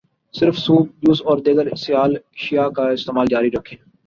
صرف soup, juice, اور دیگر سیال اشیاء کا استعمال جاری رکھیں۔